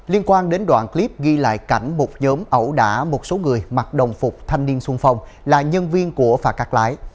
liên quan đến đoạn clip ghi lại cảnh một nhóm ẩu đả một số người mặc đồng phục thanh niên xuân phong là nhân viên của phà cạc lái